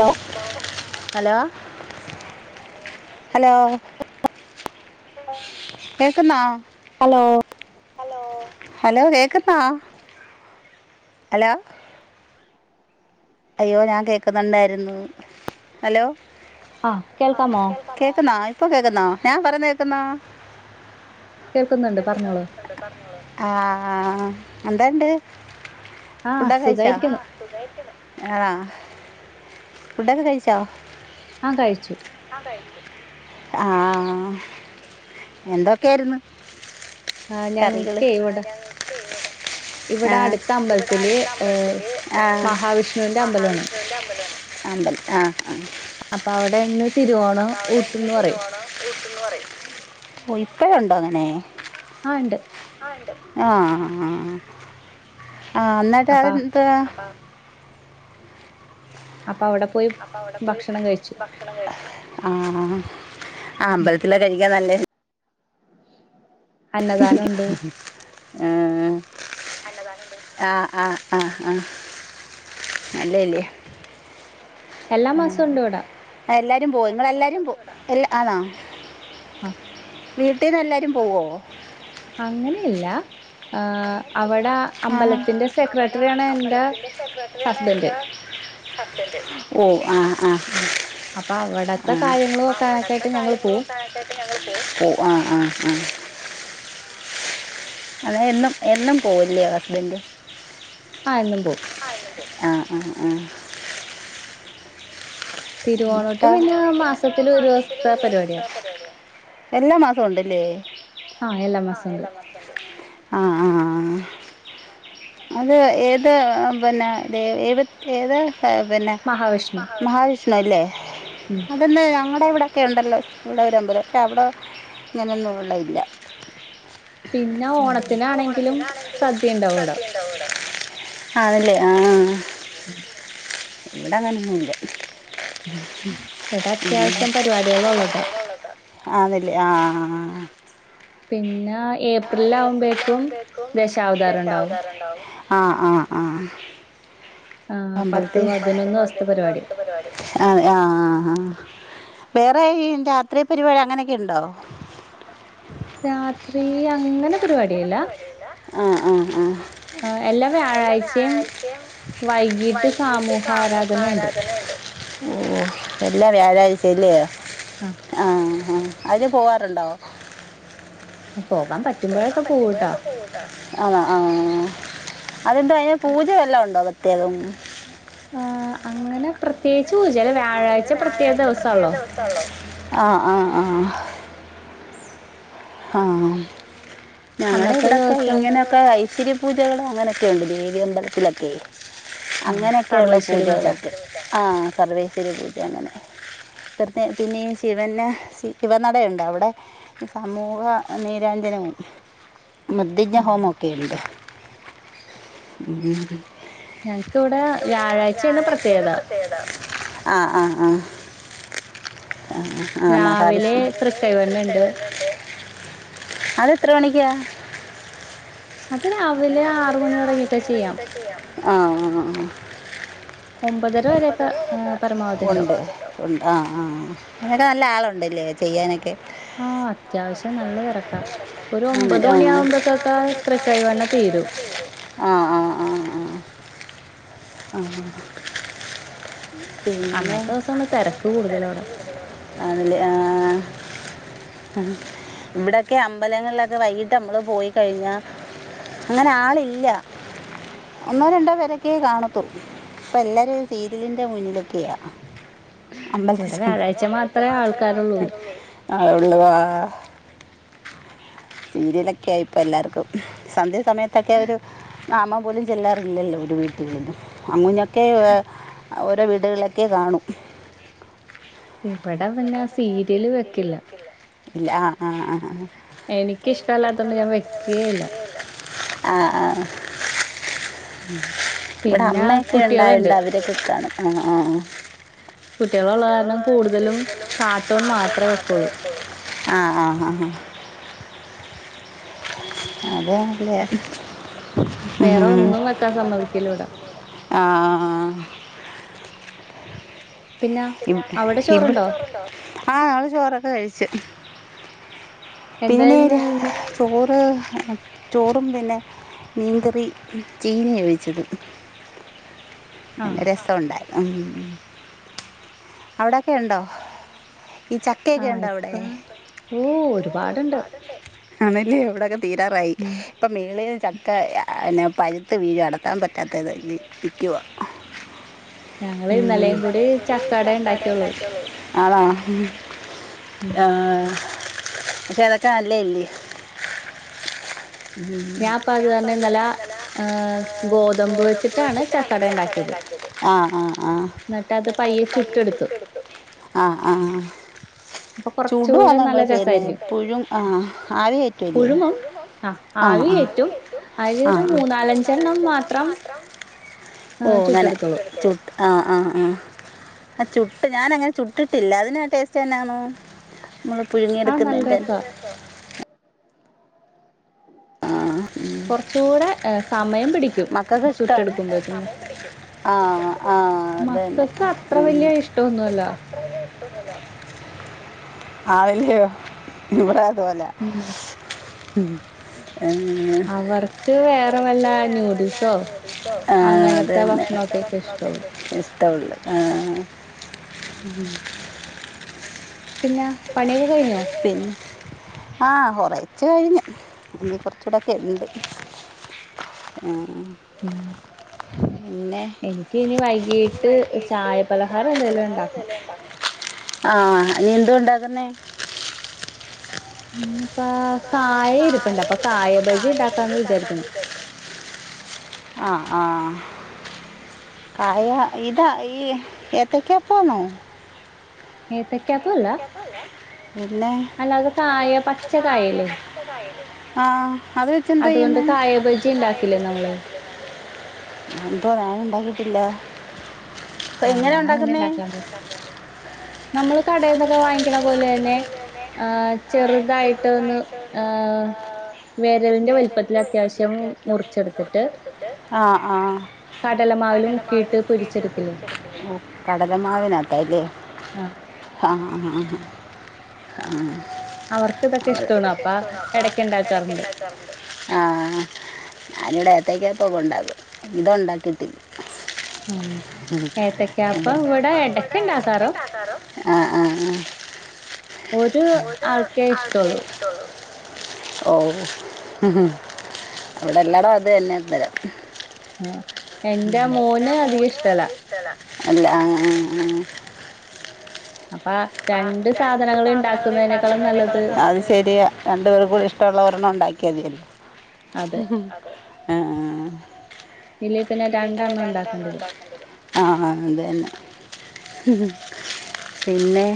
Hello hello hello കേക്ക്ന്നോ? Hello hello കേക്കുന്ന hello. അയ്യോ ഞാൻ കേക്കുന്നൊണ്ടാരുന്നു ഹലോ. ആ കേൾക്കാമോ? കേക്കുന്നാ ഇപ്പൊ കേക്കുന്നോ ഞാൻ പറന്ന കേക്കുന്നോ? കേൾക്കുന്നുണ്ട് പറഞ്ഞോളൂ ആഹ് എന്താണ്ട്? ആഹ് സുഖായിരിക്കുന്നു. സുഖായിരിക്കുന്നു. ആഹ് ഫുഡോക്കെ കഴിചോ? ആഹ് കഴിച്ചു ആഹ് എന്തോക്കേര്ന്ന് കറികള് ഞങ്ങൾക്കെ ഇവിടെ ഇവിടെ ആഹ് അടുത്ത അമ്പലത്തില് ഏ ഇവിടാടുത്തമ്പലത്തില് ആ മഹാവിഷ്ണുവിന്റെ അമ്പലമാണ് മഹാവിഷ്ണുന്റെ അമ്പലോണ് അമ്പൽആഹ് ആഹ് അപ്പാവിടെന്ന് തിരുവോണം ഊട്ട്ന്ന് പറയും ഓഹ് ഇപ്പഴൊണ്ടോങ്ങനെ ആഹ് ഉണ്ട് ആഹ് ആഹ് ന്നിട്ട് അപ്പ അതെന്തുവാ അപ്പവിടെ പോയി ഭക്ഷണം കഴിച്ചു ആഹ് ആഹ് അമ്പലത്തില കഴിക്കാൻ നല്ല അന്നദാനൊണ്ട് ആഹ് ആഹ് അന്നദാനോണ്ട് ആഹ് ആഹ് ആഹ് ആഹ് നല്ലയല്ലേ എല്ലാ മാസവും ഉണ്ട് ഇവിടെ ആഹ് എല്ലാരും പോയി നിങ്ങളെല്ലാരും പോ എല്ലാ ആണാ ആഹ് വീട്ടീന്ന് എല്ലാവരും പോവോ അങ്ങനെയല്ല ആഹ് അവട ആഹ് അവട അമ്പലത്തിന്റെ സെക്രട്ടറി ആണ് ഹസ്ബൻഡ് എല്ലാം ഓഹ് ആഹ് ആഹ് അപ്പൊ അവിടത്തെ ആഹ് കാര്യങ്ങൾ അപ്പ നോക്കാനൊക്കെ അവടത്ത ആയിട്ട് ഞങ്ങൾ കാര്യങ്ങള് പോവും നോക്കാനായിട്ട് ഓഹ് ആഹ് ആഹ് ആഹ് അതെ എന്നും എന്നും പോവോല്ലേ ഹസ്ബന്റ് ആഹ്എന്നും പോകും ആഹ് ആഹ് ആഹ് തിരുവോണോട്ട് പിന്നെ മാസത്തില് ഒരു ദിവസത്തെ പരിപാടിയാ [unintelligible] എല്ലാ മാസോം ഉണ്ടല്ലേ ആ മാസവും ആഹ് ഉണ്ട് എല്ലാ മാസോം ആഹ് ആഹ് ആഹ് അത് ഏത് പിന്നെ ഏഹ് പിന്നെ ഇത് ഏഹ് ഏത് പിന്ന മഹാവിഷ്ണു മഹാവിഷ്ണു അല്ലേ ഉം അതൊന്ന് ഞങ്ങടെ ഇവിടെക്കെ ഉണ്ടല്ലോ ഇവിടെ ഒരമ്പലം പക്ഷേ അവിട ഇങ്ങനൊന്നും ഉള്ള ഇല്ല പിന്ന ഓണത്തിനാണെങ്കിലും സദ്യ ഉണ്ടാവു ഇവട അതല്ലേ ആഹ് ആഹ് ഉം ഇവടങ്ങനൊന്നു ഇല്ല ഉം ഇവിട അത്യാവശ്യം പരിപാടികളൊള്ളതാ അതല്ലേ ആഹ് ആഹ് പിന്ന ഏപ്രിലിൽ ആവുമ്പേക്കും ദശാവതാരം ഉണ്ടാവും ആഹ് ആഹ് ആഹ് ആ പത്ത് അമ്പലത്തില് പതിനൊന്ന് ദിവസത്തെ പരിപാടി ആഹ് ആഹ് ആഹ് വേറെ ഇ രാത്രി പരിപാടി അങ്ങനേക്കെ ഇണ്ടോ രാത്രി അങ്ങന പരിപാടിയില്ല ആഹ് ആഹ് ആഹ് ആഹ് എല്ലാ വ്യാഴാഴ്ചേം വൈകീട്ട് സാമൂഹ ആരാധനേണ്ട് ഓഹ് ഓഹ് എല്ലാം വ്യാഴാഴ്ചേല്ലേ ആഹ് ആഹ് ആഹ് അതിലെ പോവാറുണ്ടോ പോകാൻ പറ്റ് ആണാ ആഹ് അതെന്താ അതിന് പൂജ വല്ലോം ഉണ്ടോ അത [unintelligible] ആഹ് അങ്ങനെ പ്രത്യേകിച്ച് പൂജല്ലേ വ്യാഴാഴ്ച പ്രത്യേക ദിവസള്ളോ ആഹ് ആഹ് ആഹ് ആഹ് ഞങ്ങടെ അന്നത്തെ ഇവിടെക്കെ ദിവസം ഇങ്ങനെയൊക്കെ ഇച്ചരി പൂജകള അങ്ങനെയൊക്കെയുണ്ട് ദേവി അമ്പലത്തിലൊക്കെ ആഹ് അങ്ങനെയൊക്കെയുള്ള സർവൈശ്വര്യ പൂജ പൂജകളൊക്കെ ആഹ് സർവേശ്വരി പൂജ അങ്ങനെ പിന്നെ ശിവൻ ശിവനടുണ്ട് അവിടെ ഈ സമൂഹ നീരഞ്ജനവും മുദ് ന്റെ ആ ഹോമൊക്കെയുണ്ട് ഉം ഞങ്ങക്ക് ഇവിടെ വ്യാഴാഴ്ച തന്നെ പ്രത്യേകത ആഹ് ആഹ് ആഹ് ആഹ് രാവിലെ തൃക്കൈ വെണ്ണ ഉണ്ട് അത് എത്ര മണിക്ക അത് രാവിലെ ആറ് മണിയോടെങ്ങൊക്കെ ചെയ്യാം ആഹ് ഒമ്പതര വരെയൊക്കെ പരമാവധി ഉണ്ടാവും ഉണ്ട് ഉണ്ട് ആഹ് ആഹ് അങ്ങനൊക്കെ നല്ല ആളുണ്ടല്ലേ ചെയ്യാനൊക്കെ ഹാത് അത്യാവശ്യം നല്ല തിരക്ക ഒരു ഒമ്പത് ആ മണിയാകുമ്പോക്കക്കെ ത്രിക്കായി വെണ്ണ തീരും ആഹ് ആഹ് ആഹ് ആഹ് ആഹ് പിന്നെ അന്നത്തെ ദിവസാണ് തിരക്ക് കൂടുതലവിടെ അല്ല ഇവിടൊക്കെ അമ്പലങ്ങളിലൊക്കെ വൈകിട്ട് നമ്മള് പോയി കഴിഞ്ഞ അങ്ങനെ ആളില്ല ഒന്നോ രണ്ടോ പേരൊക്കെ കാണത്തുള്ളൂ പ്പ എല്ലാരും സീരിയലിന്റെ മുന്നിലൊക്കെയാ ഇവിടെ അമ്പൽത്ത് വ്യാഴാഴ്ച മാത്രമേ ആൾക്കാരുള്ളൂ ആഹ് ഉള്ളു ആഹ് സീരിയലൊക്കെ ആയിപ്പോ എല്ലാർക്കും സന്ധ്യ സമയത്തൊക്കെ ഒരു നാമം പോലും ചെല്ലാറില്ലല്ലോ ഒരു വീട്ടിലുങ്ങ കേവ് ഓരോ വീടുകളൊക്കെ കാണു ഇവിടെ പിന്നെ ആഹ് സീരിയല് വെക്കില്ല ഇല്ല ആഹ് ആഹ് ആഹ് എനികിഷടല്ലാത്തുകൊണ്ട് ഞാൻ വെക്കുയില്ല ആഹ് ആഹ് ഇവിടെ പിന്നെ അമ്മയൊക്കെ കുട്ടികളുണ്ട് ഉണ്ടായിണ്ട് കിക്കാണ് ആഹ് ആഹ് ആഹ് കുട്ടികളുള്ള കാരണം കൂടുതലും കാർട്ടൂൺ മാത്രമേ വെക്കുള്ളൂ ആഹ ആഹ ആഹ ആഹ അതല്ലേ വേറെ ഉം ഒന്നും വെക്കാൻ സമ്മതിക്കില്ല ഇവിടെ. ആഹ് പിന്നെ ഇബ് അവിടെ ഇബ് ചോറുണ്ടോ? ആഹ് നാള് ചോറൊക്കെ കഴിച്ചു എന്തായിരുന്നു പിന്നെര് ഇന്ന്? ചോറ് ചോറും പിന്നെ മീങ്കറി ചീന വേവിച്ചത് പിന്നെ ആഹ് രസമുണ്ടായി ഉം അവിടെക്കെ ഉണ്ടോ ഈ ചക്കയൊക്കെ ആഹ് ഇണ്ട ഇപ്പ അവിടെ ഓ ഒരുപാടുണ്ട്. ആണല്ലേ എവിടെയൊക്കെ തീരാറായി ഉം ഇപ്പം മേളും ചക്ക എന്നെ പരുത്ത് വീഴ അടക്കാൻ പറ്റാത്തത് വിൽക്കുവ [inaudible] ഞങ്ങള് ഇന്നലെകൂടി ആണോ ആഹ് ഉം [unintelligible] അപ്പ അത് ഞാൻ കാരണം പതു ഇന്നലെ തന്നെ നല്ല ഗോതമ്പ് വെച്ചിട്ടാണ് ചക്കട ഉണ്ടാക്കിയത് ആഹ് ആഹ് ആഹ് എന്നിട്ട് അത് പയ്യെ ചുട്ടെടുത്തു. ആഹ് ആഹ് അപ്പൊ കുറച്ചുകൂടെ ചൂടുവാന്നോ ങ്ങൾ നല്ല ചെയ്യുന്നെ രസായിരിക്കും. എപ്പോഴും ആഹ് ആവിയേറ്റു അല്ലേ പുഴുങ്ങും ആഹ് ആവിയേറ്റും ആ ആ അതിലരു മൂന്നാലഞ്ചെണ്ണം മാത്രം ഏഹ് ഓഹ് ങ്ങനെ ചുട്ടെടുത്തോളൂ ചുട്ട് ആഹ് ആഹ് ആഹ് ആഹ് ചുട്ട് ഞാനങ്ങനെ ചുട്ടിട്ടില്ല അതിന്ന് ടേസ്റ്റ് തന്നെയാണോ നമ്മള് പുഴുങ്ങിയ അത് നല്ല എടുക്കുന്നതിന്റെ രസാ ട്ടട്ടോ ആഹ് കുറച്ചുകൂടെ സമയം പിടിക്ക ക്യും മക്കൾക്ക് ഇഷ്ടമാണ് ചുട്ടെടുക്കുമ്പോക്കുമ്പ ആ ആ അത് തന്നെ മക്കൾക്ക് അത്ര വലിയ ഇഷ്ട ട്ടൊന്നുമല്ല ആവല്യു ഇവാടായതുപോലെ ഉം ഉം അവർക്ക് വേറെ വല്ല നൂഡിൽസോ അങ്ങനത്തെ ഭക്ഷണൊക്കെ ഒക്കെ ഇഷ്ടള്ളൂ. ഇഷ്ടഉള്ളു ആഹ് ഉം പിന്നെ പണിയൊക്കെ കഴിഞ്ഞോ? പിന്നെ ആഹ് കൊറച്ച് കഴിഞ്ഞ് ഇഞ്ഞ് കൊർച്ചൂടെക്കെ ണ്ട്. ഉം ഉം ഉം എനിക്ക് ഇനി വൈകീട്ട് ചായപലഹാരം എന്തെലും ണ്ടാക്കാണം. ആഹ് നീ എന്തുണ്ടാക്കുന്നെ? ഇന്ന്പ്പ കായ ഇരിപ്പുണ്ട് അപ്പ കായബജി ഇണ്ടാക്കാന്ന് വിചാരിക്കുന്നു. ആഹ് ആഹ് കായ ഇതാ ഈ എത്തക്ക്യാപ്പാണോ? ഏത്തക്കപ്പ അല്ല പിന്നെ അല്ലാതെ കായ പച്ച കായല്ലേ. ആഹ് അത് വച്ചെന്താ അതുകൊണ്ട് യ്യുന്നേ? കായ ബജി ഉണ്ടാക്കില്ലേ നമ്മള് അപ്പോ ഞാന് ണ്ടാക്കിട്ടില്ല. അപ്പ ആഹ് എങ്ങനെ ഞാൻ അങ്ങനെ ണ്ടാക്കുന്നേ? ഉണ്ടാക്കാണ്ട് നമ്മള് കടേന്നൊക്കെ വാങ്ങിക്ക്ണ പോലെ തന്നെ ആഹ് ചെറുതായിട്ട് ഒന്ന് ആഹ് വേരലിന്റെ വലിപ്പത്തിൽ അത്യാവശ്യം മുറിച്ചെടുത്തിട്ട് ആ ആ കടലമാവിൽ മുക്കിയിട്ട് പൊരിച്ചെടുക്കില്ലേ. ഓഹ് കടല മാവിനകത്ത ല്ലേ? ആഹ് ആഹ് ആഹ് അവർക്ക് അവർക്ക് ഇഷ്ടമാണ് ഇതൊക്കെ ഇഷ്ടാണ് അപ്പ ഇടക്ക് ഉണ്ടാക്കാറുണ്ട് എടക്കിണ്ടാ ആഹ് ഞാനിവിടെ എത്തയ്ക്കാപ്പം പോക്കെണ്ടാക്കും ഇത് ണ്ടാക്കിയിട്ടില്ല. ആഹ് ഏത്തക്കാപ്പ ഇവടെ എടക്ക ഇണ്ടാക്കാറോ ആ ആ ആ ഒരു ആൾക്കേ ഇഷ്ടള്ളു. ഓഹോ ഹ് ഹും അവടെ എല്ലട അതന്നെന്നരാ ആഹ് എന്റെ മോന് അധികം ഇഷ്ടല്ല. അല്ല ആഹ് ആഹ് ആഹ് അപ്പ ആഹ് രണ്ട് സാധനങ്ങൾ നല്ലത് ണ്ടാക്കുന്നതിനേക്കാളും അഹ് സരിയ രണ്ട് പേർക്ക് കൂടി ഇഷ്ടള്ള ഒരെണ്ണം ണ്ടാക്കിയതിയല്ലോ? അതെ അതെ ആഹ് ആഹ് ഇല്ലേ പിന്നെ രണ്ടണ്ണം ഇണ്ടാക്കേണ്ടിരും. ആഹ് അതന്നെ. പിന്നെ?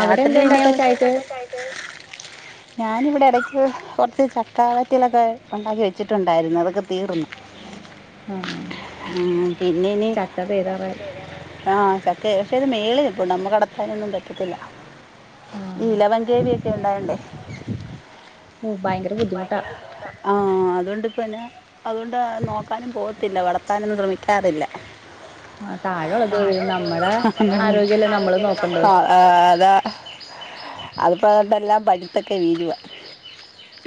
അവിടെ എന്താ പിന്നെ ഇണ്ടാക്കാ ചായക്ക് ഞാനിവിടെ എടക്ക് കൊർച്ച് ചക്കാവറ്റലൊക്കെ ഉണ്ടാക്കി വെച്ചിട്ടുണ്ടായിരുന്നു അതൊക്കെ തീർന്നു. ആഹ് ഉം പിന്നെനി ചക്ക തീരാറായി ആഹ് ചക്ക പക്ഷെത് മേളി നിപ്പുണ്ട് നമ്മക്കടത്താനൊന്നും പറ്റത്തില്ല. ആഹ് ഇലവൻ ഗ്രേവിയക്കെ ഉണ്ടായോണ്ടേ ഓ ഭയങ്കര ബുദ്ധിമുട്ടാ ആഹ് അതുകൊണ്ട് പ്പന്നാ അതുകൊണ്ട് നോക്കാനും പോകത്തില്ല വളർത്താനൊന്നും ശ്രമിക്കാറില്ല. ആഹ് താഴെള്ളത് തി നമ്മടെ ആരോഗ്യല്ലേ നമ്മള് നോക്കണ്ടേ. ആഹ് അതാ അതിപ്പോണ്ടെല്ലാം പഴുത്തൊക്കെ വീഴുവ.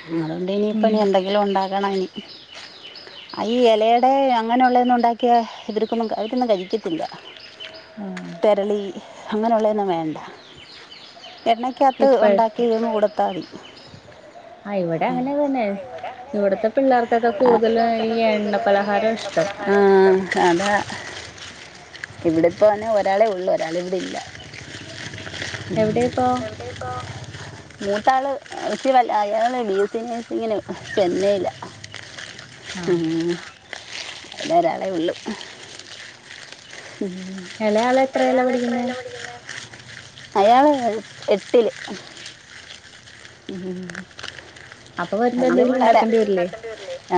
ആഹ് അതുകൊണ്ട് ഇനി ഉം പ്പനി എന്തെങ്കിലും ഉണ്ടാക്കണം ഇനി. ഈ എലേടെ അങ്ങനുള്ളേന്നു ണ്ടാക്കിയാ ഇവർക്കൊന്നും അവരൊന്നും കഴിക്കത്തില്ല. ആഹ് തെരളി അങ്ങനെയുള്ളന്നും വേണ്ട എണ്ണ കത്ത് ഉണ്ടാക്കിരുന്നു കൊടുത്താതി. ആഹ് ഇവടെ അങ്ങനെ തന്നെ. ഇവടത്തെ പിള്ളേർക്കൊക്കെ കൂടുതലും ഈ എണ്ണ പലഹാര ഇഷ്ടം. ആഹ് അതാ ഇവിട്പ്പൊ തന്നെ ഒരാളെ ഉള്ളു ഒരാളിവിടെ ഇല്ല എവിടെ ഇപ്പോ ടെ ഇപ്പോ മൂത്ത ആള് ഇച്ചിരി വല്ല അയാള് ബീഎസ്സി നഴ്സിങ്ങിന് ചെന്നയ്ല ആഹ് അവിടെ ഒരാളെ ഉള്ളു എളയാള് എളയാള് എത്രേല പഠിക്ക്ന്നേ അയാള് എട്ടില് അപ്പൊ വരുമ്പോ വല്യ എന്തെങ്കിലും പിള്ളാര ഉണ്ടാക്കേണ്ടി വരില്ലേ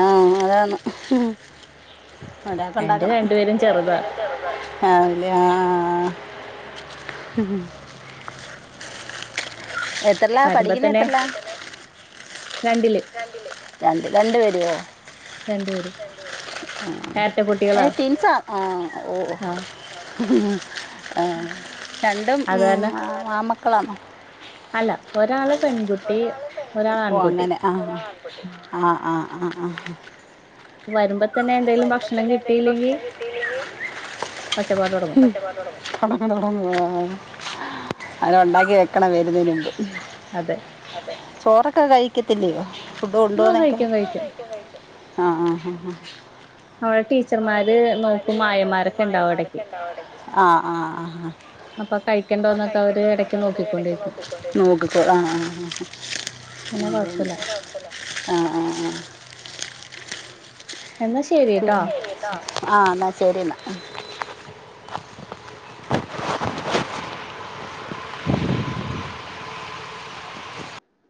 ആഹ് അതാണ് വടക്കെ എന്റെ ഇണ്ടാക്കണം രണ്ടുപേരും ചെറുതാ ആഹ് ആഹ് എതർലാ വരുമ്പോ പഠിക്ക്ന്ന തന്നെ എതർല രണ്ടില് രണ്ടില് രണ്ട് പേരോ രണ്ടുപേരും രണ്ട് പേരും എരട്ട കുട്ടികളാ ഏഹ് ട്വിൻസാ ആഹ് ഓഹ് ആഹ് രണ്ടും അത് ഉം കാരണം ആൺമക്കളാന്നൊ അല്ല ഒരാള് പെൺകുട്ടി ഒരാള് ഓഹ് ആൺകുട്ടി അങ്ങനെ ആഹ് ആഹ് ആഹ് ആഹ് ആഹ് വരുമ്പൊ തന്നെ എന്തേലും ഭക്ഷണം കിട്ടീല്ലെങ്കി ഒച്ചപ്പാടൊടങ്ങും തൊടങ്ങും തൊടങ്ങും അത് ഉണ്ടാക്കി വെക്കണം വരുന്നേനുമുമ്പ് അതെ ചോറൊക്കെ കഴിക്കത്തില്ലയൊ ഫുഡ് ആഹ് കൊണ്ടോന്നക്കെ കഴിക്കും കഴിക്കും ആഹ് ആഹ് അവിടെ ടീച്ചർമാര് നോക്കും ആയമാരൊക്ക ഇണ്ടാവും അവിടക്കെ ആഹ് ആഹ് ആഹ് അപ്പൊ അപ്പ കഴിക്കണ്ടോന്നൊക്കെ അവര് എടക്ക് കഴിക്കണ്ടത്ക്കെ അവര് എടക്ക് നോക്കിക്കൊണ്ടിരിക്കും നോക്കിത ആഹ് ആഹ് പിന്നെ അതേ കൊഴപ്പല്ല ആഹ് ആഹ് ആഹ് ആഹ് എന്നാ ശരിട്ടോ ഇന്ന ശരി ഇന്ന